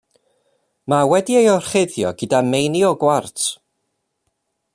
Mae wedi'i orchuddio gyda meini o gwarts.